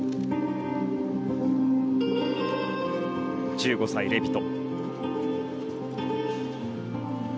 １５歳、レビト。